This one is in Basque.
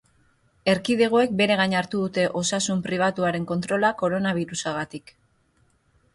Erkidegoek bere gain hartu dute osasun pribatuaren kontrola koronabirusagatik.